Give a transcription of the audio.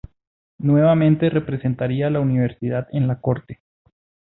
Nuevamente representaría a la Universidad en la corte.